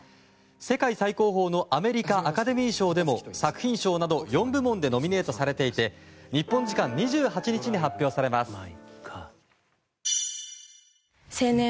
世界最高峰のアメリカアカデミー賞でも作品賞など４部門でノミネートされていて日本時間２８日に発表されます。